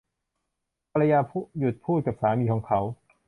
ภรรยาหยุดพูดกับสามีของเขา